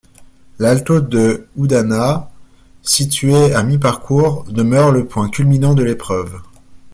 L'Alto de Udana, situé à mi-parcours, demeure le point culminant de l'épreuve.